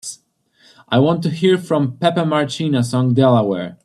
I want to hear from Pepe Marchena song Delaware